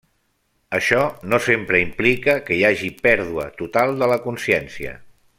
Això no sempre implica que hi hagi pèrdua total de la consciència.